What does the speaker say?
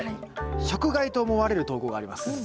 食害と思われる投稿があります。